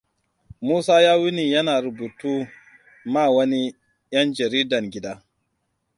Musa ya wuni yana rubutu ma wani 'yan jaridan gida.